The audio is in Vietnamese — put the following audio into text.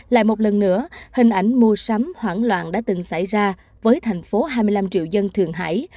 lại một lần nữa hình ảnh mua sắm hoảng loạn đã từng xảy ra với thành phố hai mươi năm triệu dân thường hải